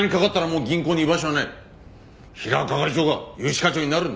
平賀係長が融資課長になるんだ。